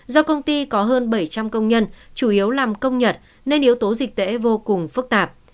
do công ty có hơn bảy trăm linh công nhân chủ yếu làm công nhật nên yếu tố dịch tễ vô cùng phức tạp